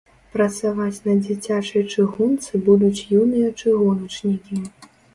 Працаваць на дзіцячай чыгунцы будуць юныя чыгуначнікі.